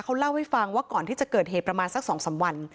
เขาเล่าให้ฟังว่าก่อนที่จะเกิดเหตุประมาณสัก๒๓วัน